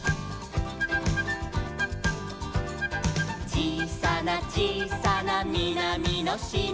「ちいさなちいさなみなみのしまに」